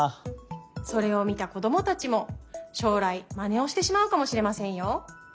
それをみたこどもたちもしょうらいまねをしてしまうかもしれませんよ。